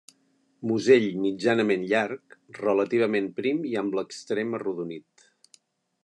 Musell mitjanament llarg, relativament prim i amb l'extrem arrodonit.